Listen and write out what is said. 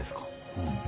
うん。